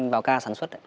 vào ca sản xuất